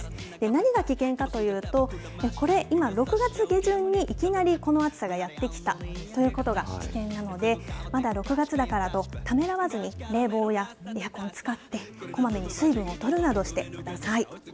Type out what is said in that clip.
何が危険かというと、これ、今、６月下旬にいきなりこの暑さがやって来たということが危険なので、まだ６月だからとためらわずに、冷房やエアコン使って、こまめに水分をとるなどしてください。